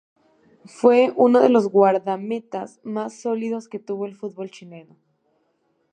Fue uno de los guardametas más sólidos que tuvo el fútbol chileno.